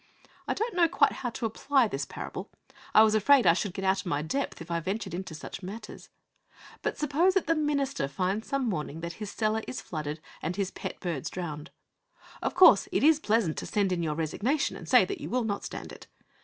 I don't know quite how to apply this parable. I was afraid I should get out of my depth if I ventured into such matters. But suppose that the minister finds some morning that his cellar is flooded and his pet birds drowned. Of course, it is pleasant to send in your resignation and say that you will not stand it.